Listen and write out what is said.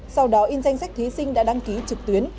sau đó in danh sách thí sinh đã đăng ký trực tuyến